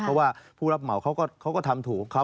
เพราะว่าผู้รับเหมาเขาก็ทำถูกเขา